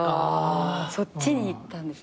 そっちに行ったんですね。